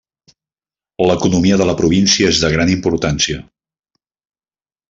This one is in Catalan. L'economia de la província és de gran importància.